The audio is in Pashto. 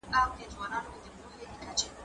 زه کولای سم تمرين وکړم!!